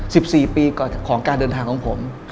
สิบสี่ปีก่อนของการเดินทางของผม